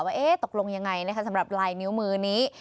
ว่าตกลงยังไงสำหรับลายนิ้วมือนี้